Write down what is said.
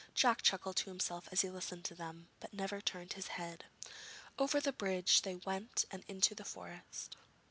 Jack chuckled to himself as he listened to them, but never turned his head. Over the bridge they went and into the forest.